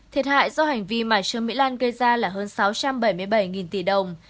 thiệt hại do hành vi mà trương mỹ lan gây ra là hơn sáu trăm bảy mươi bảy tỷ đồng